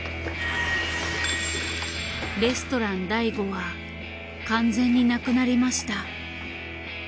レストラン醍醐は完全になくなりました。